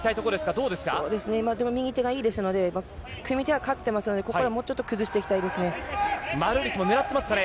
そうですね、でも右手がいいですので、組手は勝っていますので、ここからもうちょっと崩していきたいでマルーリスも狙ってますかね。